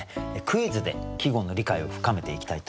クイズで季語の理解を深めていきたいと思います。